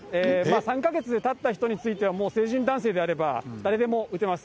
３か月たった人については、もう成人男性であれば、誰でも打てます。